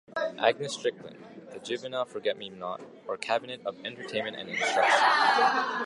Agnes Strickland - "The Juvenile Forget Me Not; Or, Cabinet of Entertainment and Instruction"